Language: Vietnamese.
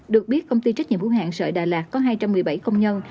được biết công ty trách nhiệm hữu hạn sở đà lạt có hai trăm một mươi bảy công nhân